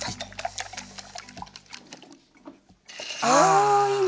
おいいね。